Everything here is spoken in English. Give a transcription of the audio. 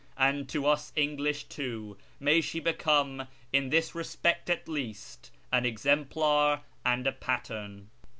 And to vis English, too, may she become, in this respect at least, an exemplar and a pattern